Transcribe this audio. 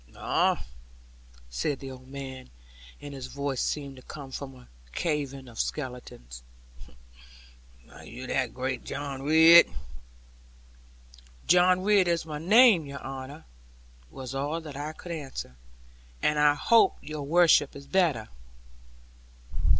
'Ah,' said the old man, and his voice seemed to come from a cavern of skeletons; 'are you that great John Ridd?' 'John Ridd is my name, your honour,' was all that I could answer; 'and I hope your worship is better.'